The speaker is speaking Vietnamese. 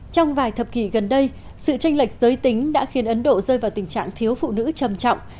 trong vài thập kỷ gần đây sự tranh lệch giới tính đã khiến ấn độ rơi vào tình trạng thiếu phụ nữ trầm trọng